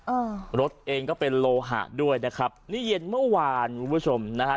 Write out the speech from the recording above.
อ่ารถเองก็เป็นโลหะด้วยนะครับนี่เย็นเมื่อวานคุณผู้ชมนะฮะ